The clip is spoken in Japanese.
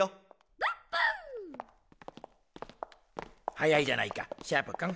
早いじゃないかシャープくん。